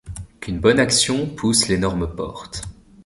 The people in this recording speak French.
Qu’une bonne action pousse l’énorme porte. .